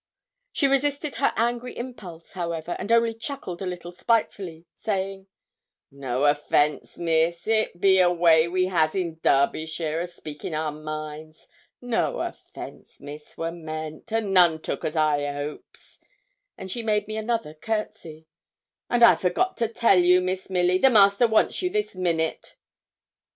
She resisted her angry impulse, however, and only chuckled a little spitefully, saying, 'No offence, miss: it be a way we has in Derbyshire o' speaking our minds. No offence, miss, were meant, and none took, as I hopes,' and she made me another courtesy. 'And I forgot to tell you, Miss Milly, the master wants you this minute.'